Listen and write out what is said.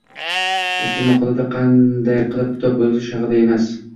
Ushbu maqolada qanday qilib kitob yozish haqida emas